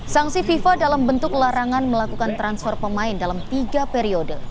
sanksi fifa dalam bentuk larangan melakukan transfer pemain dalam tiga periode